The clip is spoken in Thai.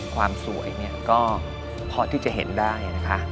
ความสวยเนี่ยก็พอที่จะเห็นได้นะคะ